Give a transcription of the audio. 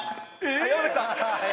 山崎さん。